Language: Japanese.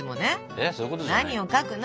「何を描くの？